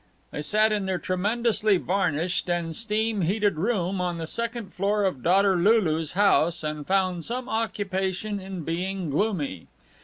They sat in their tremendously varnished and steam heated room on the second floor of daughter Lulu's house, and found some occupation in being gloomy.